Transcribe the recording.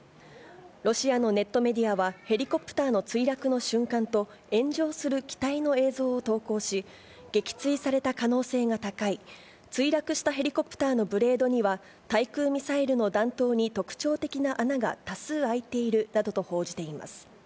ロシアのネットメディアは、ヘリコプターの墜落の瞬間と、炎上する機体の映像を投稿し、撃墜された可能性が高い、墜落したヘリコプターのブレードには、対空ミサイルの弾頭に特徴的な穴が多数開いているなどと報じています。